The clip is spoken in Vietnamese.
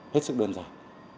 hết sức đơn giản